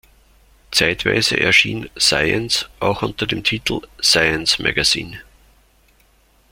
Zeitweise erschien "Science" auch unter dem Titel "Science magazine".